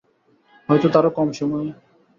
হয়তো তারও কম সময়ে।